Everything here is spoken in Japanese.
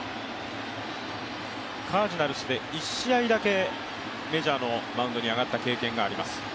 カージナルスで１試合だけメジャーのマウンドに上がった経験があります。